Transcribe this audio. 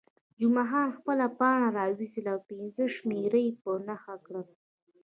جمعه خان خپله پاڼه راویستل او پنځمه شمېره یې په نښه کړل.